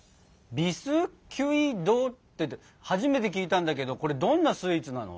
「ビスキュイ・ド」って初めて聞いたんだけどこれどんなスイーツなの？